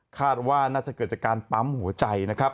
คาดว่าน่าจะเกิดจากการปั๊มหัวใจนะครับ